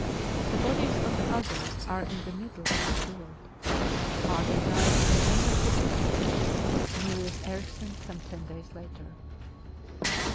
The bodies of the others are in the mid dle of the fiord. Hagen died on November 1 5, Mylius Erichsen some ten days later."